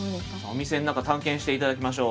お店の中探検して頂きましょう。